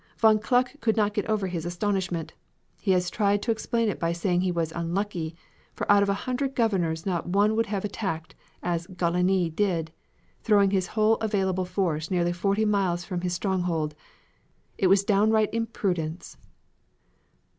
"Von Kluck could not get over his astonishment. He has tried to explain it by saying he was unlucky, for out of a hundred governors not one would have acted as Gallieni did, throwing his whole available force nearly forty miles from his stronghold. It was downright imprudence."